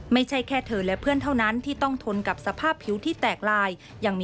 ไม่ใช่แค่เธอและเพื่อนเท่านั้นที่ต้องทนกับสภาพผิวที่แตกลาย